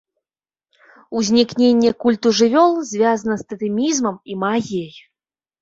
Узнікненне культу жывёл звязана з татэмізмам і магіяй.